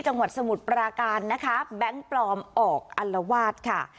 สมุทรปราการนะคะแบงค์ปลอมออกอัลวาสค่ะ